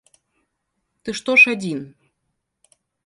Ты што ж адзін?